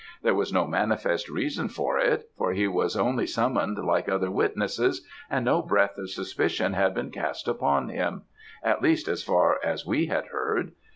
There was no manifest reason for it, for he was only summoned like other witnesses, and no breath of suspicion had been cast upon him; at least, as far as we had heard.